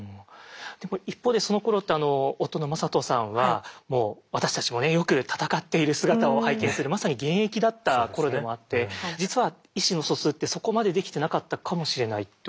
でも一方でそのころって夫の魔裟斗さんはもう私たちもねよく戦っている姿を拝見するまさに現役だった頃でもあって実は意思の疎通ってそこまでできてなかったかもしれないってことなんですかね？